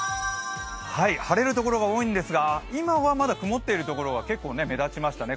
晴れるところが多いんですが今はまだ曇っているところが結構、目立ちましたね